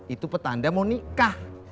itu petanda mau nikah